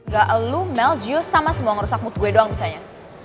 gak elu mel gio sama semua ngerusak mood gue doang misalnya